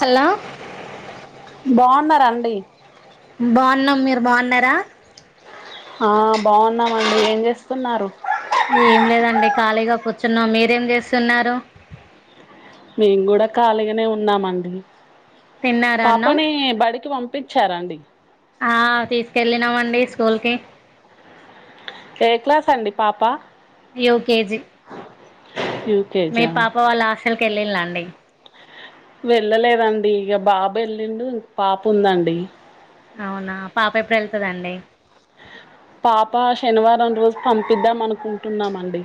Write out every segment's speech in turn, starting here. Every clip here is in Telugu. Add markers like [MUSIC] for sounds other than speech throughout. హలా బాన్నరా అండి బాన్నాం మీరు బాగున్నారా ఆ బాగున్నామండి ఏం చేస్తున్నారు ఏం లేదండి ఖాళీగా కూర్చున్నాం మీరేం చేస్తున్నారు మేము కూడా ఖాళీగానే ఉన్నామండి తిన్నారా అన్నం పాపని బడికి పంపు పిచ్చ రండి ఆ తీసుకెళ్ళినామండి స్కూల్ కి ఏ క్లాస్ అండి పాపా యుకేజీ మీ యూకేజా పాప వాళ్ల హాస్టల్ కి వెళ్ళిలాండి వెళ్ళలేదండి ఇగ బాబు వెళ్ళిండు ఇంక పాప ఉందండి అవునా పాప ఎప్పుడు వెళ్తదండి పాప శనివారం రోజు పంపిద్దాం అనుకుంటున్నామండి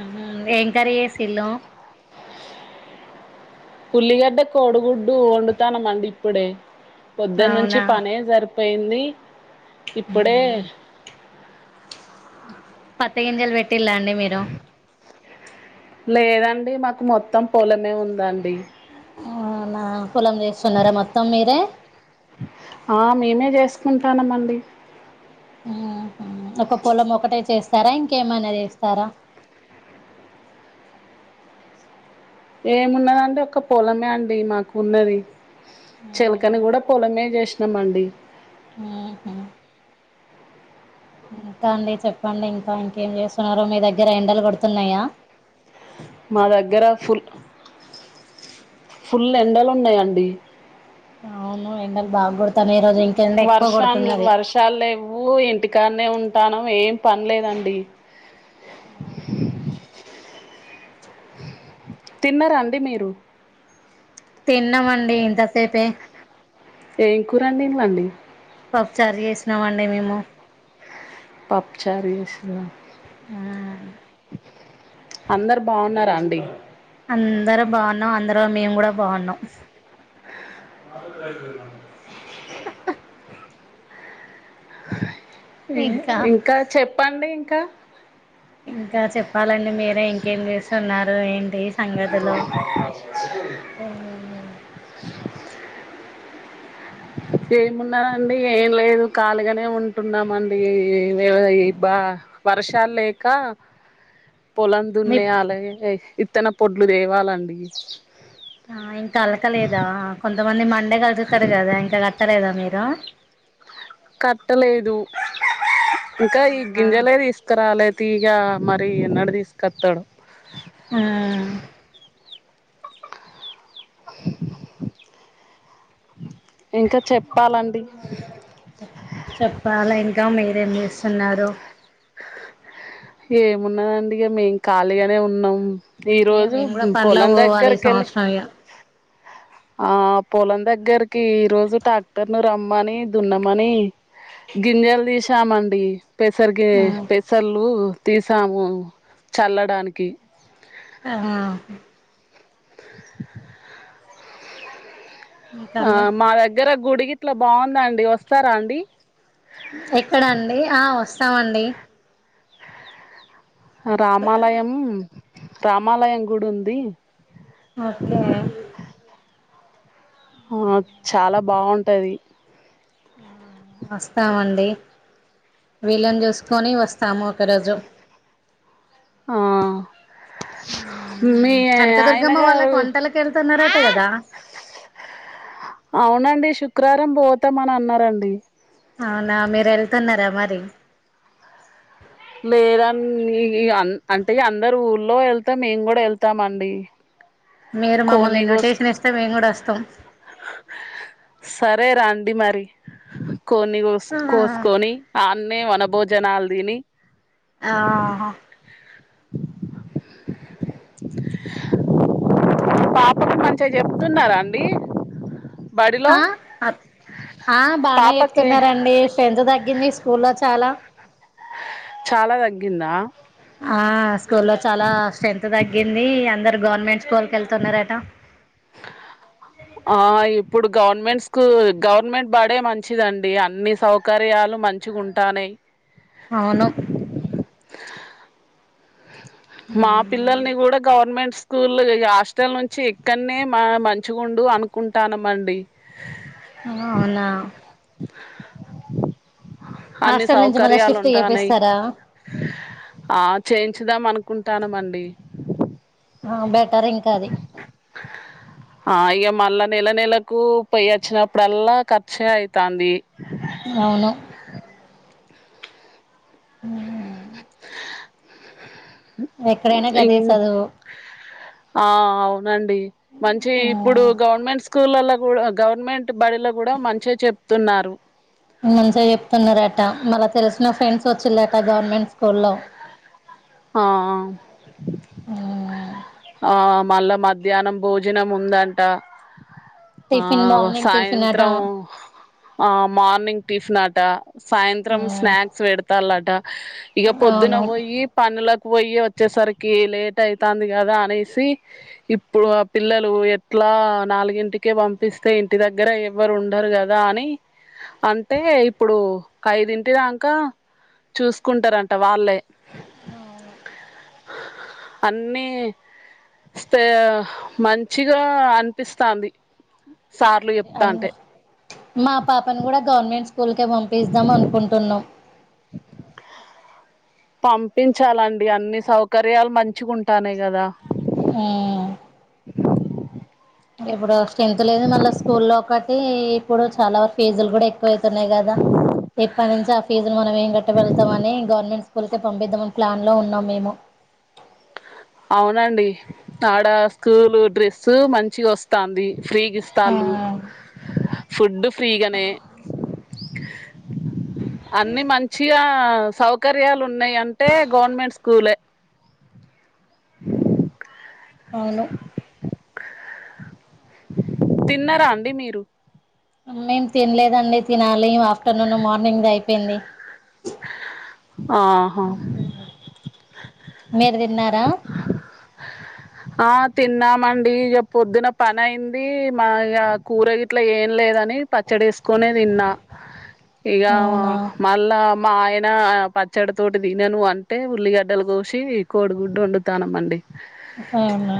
ఉహు ఏం కర్రీ చేసిళ్ళు ఉల్లిగడ్డ కోడుగుడ్డు వండుతానమండి ఇప్పుడే పొద్దున్న నుంచి అవునా పనే జరిపు పోయింది ఇప్పుడే పత్తి గింజలు పెట్టిల్ల అండి మీరు లేదండి మాకు మొత్తం పొలమే ఉందండి అవునా పొలం చేస్తున్నారా మొత్తం మీరే ఉంటానమండి ఒక పొలం ఒకటే చేస్తారా ఇంకేమైనా చేస్తారా ఏమున్నదండి ఒక పొలమే అండి మాకు ఉన్నది చిలకని కూడా పొలమే జేసినాం అండి ఆహు ఇంకా అండి చెప్పండి ఇంకా ఇంకేం చేస్తున్నారు మీ దగ్గర ఎండలు కొడుతున్నాయా? మా దగ్గర ఫుల్ ఫుల్ ఎండలు ఉన్నాయండి అవును ఎండల్ బాగొడతు వర్షన్ని వర్షాలు లేవ్వు ఇంటికాన్నే ఉంటాను ఏం పనిలేదండి తిన్నరాండి మీరు? తిన్నామండి ఇంతసేపే ఏం కూరండి ఇవ్వండి పప్పు చార్ చేసినామండి మేము పాప్పుచార్ ఏసిన ఆ అందరు బావున్నారా అండి? అందరు బావున్నాం అందరు మేము గూడా బావున్నాం. [UNINTELLIGIBLE] ఏ ఇంకా చెప్పండి ఇంకా ఇంకా చెప్పాలండి మీరే ఇంకేం చేస్తున్నారు ఏంటి? సంగదలు ఏమున్నారండి ఏం లేదు. కాళీగానే ఉంటున్నామండి బా అ వర్షాలు లేక పొలం మీ దున్నేయలె ఇత్తన పొడ్లు తేవాలండి ఆ ఇంకా అలకలేదా కొంతమంది మండే కలుగుతాడు కదా ఇంకా కట్టలే జమీరా కట్టలేదు ఇంకా ఈ గింజలే తీసుకురాలేదు తీగా మరి ఎన్నడ తీసుకొస్తాడు. అవునా ఇంకా చెప్పాలండి చెప్పాలె ఇంకా మీరేం చేస్తున్నారు? ఏమున్నాదండి ఇగ మేం ఖాళీగానే ఉన్నాం. ఈ ఇగ రోజు మేము కూడా పనులకు పొలం పోవాలి ఈ దగ్గరికి వెళ్ళి సంవత్సరం ఇగ ఆ పొలం దగ్గరికి ఈ రోజు టాక్టర్ ను రమ్మని దున్నమని గింజలు తీసామండి పెసర్గే పెసర్లు తీసాము చల్లడానికి ఆహ ఇంకా ఆ అండి మా దగ్గర గుడిగిట్లా బావుందండి వస్తారా అండి? తామండి రామాలయం రామాలయం గుడి ఉంది ఓకే అ చాలా బావుంటది. ఆ వస్తామండి వీలం చూసుకొని వస్తాము ఒకరోజు ఆ మీ ఆయన కనకదుర్గమ్మ గారు వాళ్ళకి వంటలకి వెళ్తున్నారట కదా అవునండి శుక్రవారం పోతామని అన్నరండి అవునా మీర్ వెళ్తున్నరా మరి లేదని అ అంటె అందరు ఊర్లో వెళ్తే మేము కూడ వెళ్తామండి మీరు మమ్మల్ని కోన్ని కోసుకో ఇన్విటేషన్ ఇస్తే మేము కూడ అస్తమ్ సరే రండి మరి కిడ్ని కోస్ కోసుకొని ఆన్నే మే వన బోజనాలు దిని ఆ హ పాఠలు మంచిగ చెప్తున్నారండి ఆ అప్ ఆ బానే పాపకి చెప్తున్నరండి స్ట్రెంత్ తగ్గింది స్కూలో చాల చాల తగ్గిందా ఆ స్కూల్ లో చాలా స్ట్రెంత్ తగ్గింది అందరు గవర్నమెంట్ స్కూల్ కి వెళ్తున్నరట ఆ ఇప్పుడు గవర్నమెంట్స్ స్కూ గవర్నమెంట్ బడే మంచిదండి అన్ని సౌకర్యాలు మంచిగ ఉంటానాయ్ అవును మా పిల్లల్ని కూడ గవర్నమెంట్స్ స్కూలు ఇగ హాస్టల్ నుంచి ఇక్కడనే మ మంచిగుండు అనుకుంటానమండి ఆహా అవునా అన్ని హాస్టల్ నుంచి మళ్ళా సౌకర్యాలు షిఫ్ట్ ఉంటానయ్ చేపిస్తారా ఆ ఎద్దాం అనుకుంటానమండి. ఆ బెటర్ ఇంక అది మల్ల నెల నెలకు పొయ్యి అచ్చినప్పుడల్లా ఖర్చే అయితాంది అవును ఉమ్మ్ ఎక్కడైనా ఇం గదే సదువు ఆ అవునండి మంచిగ ఆ, ఇప్పుడు గవర్నమెంట్ స్కూళ్ళలో కూడ గవర్నమెంట్ బడిలో కూడ మంచిగ చెప్తున్నారు మంచిగ చెప్తున్నరట మల్ల తెలిసిన ఫ్రెండ్స్ వచ్చిలట గవర్నమెంట్ స్కూల్లో ఆ అ ఉమ్, ఆ మల్ల మధ్యాహ్నం భోజనం ఉందంట టిఫిన్ ఆ మార్నింగ్ టిఫిన్ అట సాయంత్రం ఆ మార్నింగ్ టిఫిన్ అట సాయంత్రం ఉమ్, స్నాక్స్ పెడ్తలట ఇక పొద్దున అవును అవును పోయి ఇళ్ళకి పోయి వచ్చేసరికి లేట్ అయితాంది కదా అనేసి ఇప్పుడు ఆ పిల్లలు ఎట్లా నాలుగింటికె పంపిస్తే ఇంటి దగ్గర ఎవ్వరు ఉండరు కదా అని అంటె ఇప్పుడు ఐదింటి దాంక చూసుకుంటరంట వాళ్ళే అవును అన్నీ స్తే ఆ మంచిగా అనిపిస్తాంది సార్లు అదే అన్ని చెప్తాంటే మా పాపను కూడ గవర్నమెంట్ స్కూల్కే పంపిస్ద్దాం అనుకుంటున్నాం పంపించాలండి అన్ని సౌకర్యాలు మంచిగ ఉంటానయ్ కద ఉ ఆ ఇప్పుడు స్ట్రెంత్ లేదు మళ్ళా స్కూల్లో ఒకటి ఇప్పుడు చాలా వరకు ఫేజులు కూడా ఎక్కువ వై తున్నాయి గదా ఇప్పటి నుంచి ఆ ఫీజు ను మనం ఏం గట్ట వెళ్తామని గవర్నమెంట్ స్కూల్క పంపిద్దామని ప్లాన్ లో ఉన్నాం మేము అవునండి తాడ స్కూల్ డ్రెస్సు మంచి వస్తంది. ఫ్రీ గి ఆ ఇస్తాళ్ళు ఫుడ్ ఫ్రీగానే అన్ని మంచిగా అ సౌకర్యాలు ఉన్నాయి అంటే గవర్నమెంట్ స్కూలే అవును తిన్నారా అండి మీరు? మేం తినలేదండి తినాలి ఆఫ్టర్నూన్, మార్నింగ్ది అయిపోయింది. ఆహా మీరు తిన్నారా? ఆ తిన్నామండి ఇగ పొద్దున పని అయింది మా ఇ కూర గట్లా ఏం లేదు. దాని పచ్చడి ఏసుకొని తిన్నా ఇగ వ అవునా మళ్ళా మా ఆయన పచ్చడి తోటి తినను అంటే ఉల్లిగడ్డలు కోసి కోడిగుడ్డు వండుతానంమండి. అవునా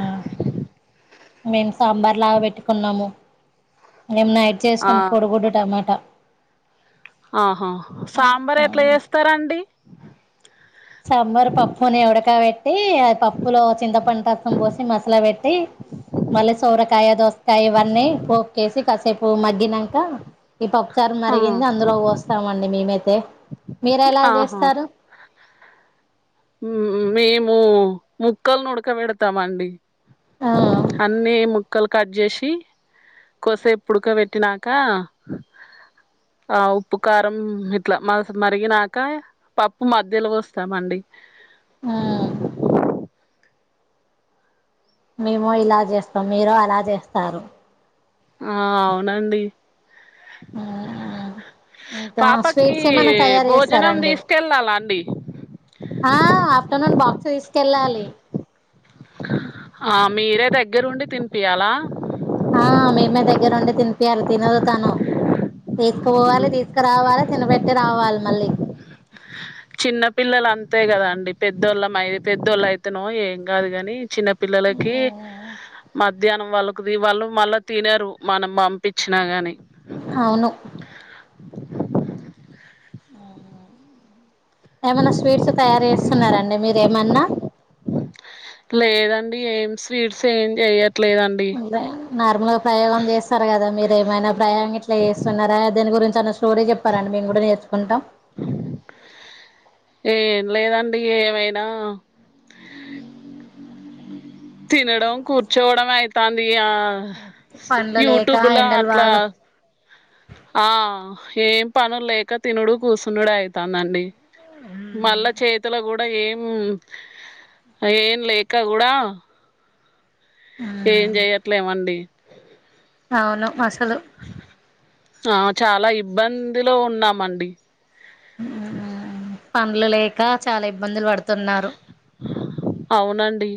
మేము సాంబార్ లాగా పెట్టుకున్నాము. మేం నైట్ ఆ చేసికొని కొడుగుడ్డు టమాటా ఆహా సాంబార్ ఎట్లా ఆ చేస్తారండి? ఏ అది పప్పులో చింతపంట రసం పోసి మసాలా పెట్టి మళ్ళీ సోరకాయ, దోసకాయ ఇవన్నీ పోపు కేసి కాసేపు మగ్గినంక ఈ పప్పుచారు ఆ మరిగింది అందులో పోస్తామండి మేమైతే మీర ఎలా చేస్తారు? ఉహు మేము ముక్కలులను ఉడకబెడతామ అండి ఆ అన్నే ము క్కలు కట్ చేసి కొసేపు పుడకబెట్టినాక ఆ ఉప్పు కారం ఇట్లా మ మరిగినాక పప్పు మధ్యలో వస్తామండి. ఆ మేము ఇలా చేస్తాం, మీరు అలా చేస్తారు. ఆ అవునండి ఇంకా పాపకి స్వీట్స్ ఏమైనా తయారు భోజనం చేస్తారండి తీసుకెళ్ళాలా అండి? ఆ ఆఫ్టర్నూన్ బాక్స్ తీసుకెళ్ళాలి ఆ మీరే దగ్గరుండి తినిపియాలా? ఆ మేమే దగ్గరండి తినిపియాలి తినదు తను తీసుకుపోవాలి, తీసుకురావాలి తినబెట్టి రావాలి మళ్ళీ చిన్న పిల్లలు అంతే కదా అండి పెద్దోళ్ళ మ పెద్దోళ్ళు అయితేనో ఏం కాదు గాని చిన్న పిల్లలకి మ ధ్యానం వాళ్ళకు ద వాళ్ళు మళ్ళా తినరు మనం పంపించినా గాని అవును ఏమైనా స్వీట్స్ తయారు చేస్తున్నారండి మీరేమన్నా? లేదండి ఏం స్వీట్స్ ఏం చెయ్య వందే నార్మల్గా ప్రయోగం చేస్తారు కదా మీరు ఏమైనా ప్రయోగం ఇట్లా చేస్తున్నారా దాని గురించి? తన స్టోరీ చెప్పారండి మేము కూడా నేర్చుకుంటాం. ఎం లేదండి ఏమైనా తినడంం, కూర్చోడం అయితాంది ఇగ పండ్లు లేక యూట్యూబ్లా ఎండలు అట్లా బాగా ఆ ఏం పనులు లేక తినుడు కూస్సునుడు అయితాందండి మళ్ళా చేతులో కూడ్ ఏం ఏం లేక గూడా ఏం మ్మ్ జేయట్లేమండి అవును అసలు ఆ చాలా ఇబ్బందిలో ఉన్నామండి పనులు లేక చాలా ఇబ్బందులు పడుతున్నారు అవునండి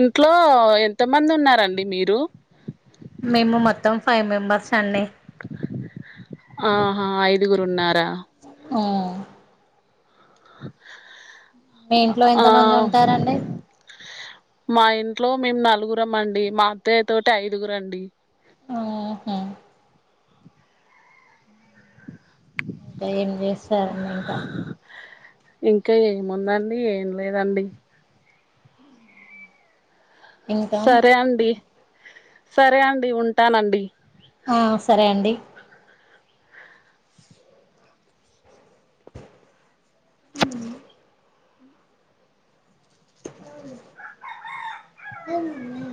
ఇంట్లో ఎంత మంది ఉన్నారండి మీరు మేము మొత్తం ఫైవ్ మెంబర్స్ అండి ఆహా ఐదుగురు ఉన్నారా ఆ మీ ఇంట్లో ఆ ఎంత మంది ఉంటారండి మా ఇంట్లో మేము నగు గురమ్మండి మాత్తయ్య తోటి ఐదుగురండి ఆహ ఏం చేస్తారం ఇంకా ఇంకా ఏముందండి ఏం లేదండి ఇంకా సరే అండి సరే అండి ఉంటానన్ ఆ సరే అండి అ అవునన్నా